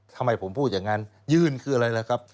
ทำไมผมพูดอย่างนั้นยื่นคืออะไรล่ะครับ